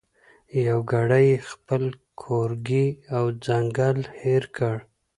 یو ګړی یې خپل کورګی او ځنګل هېر کړ